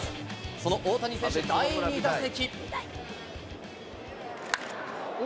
その大谷選手、第２打席。